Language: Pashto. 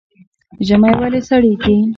ژمی ولې سړیږي؟